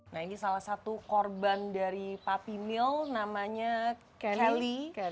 nah ini salah satu korban dari puppy mill namanya kennely